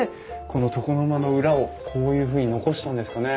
この床の間の裏をこういうふうに残したんですかね？